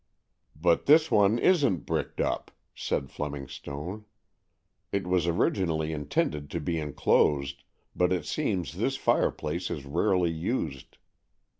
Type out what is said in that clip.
"But this one isn't bricked up," said Fleming Stone. "It was originally intended to be enclosed; but it seems this fireplace is rarely used.